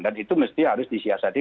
dan itu mesti harus disiasati